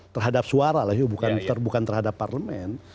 terhadap suara lah bukan terhadap parlemen